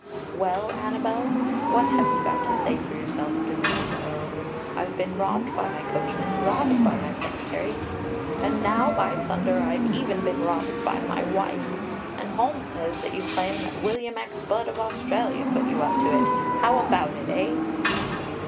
"Well, Annabelle, what have you got to say for yourself?" demanded the Earl. "I've been robbed by my coachman, robbed by my secretary, and now, by thunder, I've even been robbed by my wife! And Holmes says that you claim that William X. Budd of Australia put you up to it! How about it, eh?"